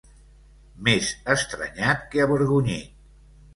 Més estranyat que avergonyit.